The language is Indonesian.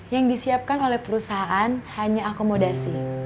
yang disiapkan oleh perusahaan hanya akomodasi